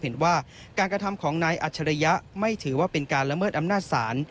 เห็นว่าการกระทำของนายอัจฉริยะไม่ถือว่าเป็นการละเมิดอำนาจศาล